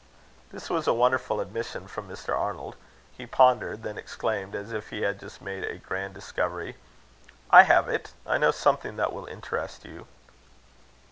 This was a wonderful admission from Mr. Arnold. He pondered then exclaimed, as if he had just made a grand discovery: "I have it! I know something that will interest you."